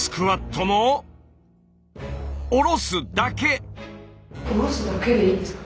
下ろすだけ。